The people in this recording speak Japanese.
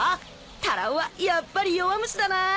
タラオはやっぱり弱虫だなあ。